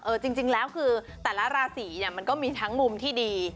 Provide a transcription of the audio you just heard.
จริงแล้วคือแต่ละราศีเนี่ยมันก็มีทั้งมุมที่ดี